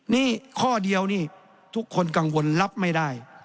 นี่ข้อเดียวนี่ทุกคนกังวลรับไม่ได้